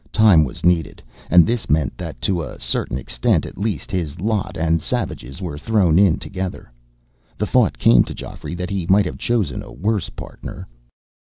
Time was needed and this meant that, to a certain extent at least, his lot and Savage's were thrown in together. The thought came to Geoffrey that he might have chosen a worse partner.